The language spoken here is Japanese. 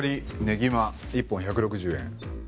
ねぎま１本１６０円。